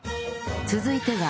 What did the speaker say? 続いては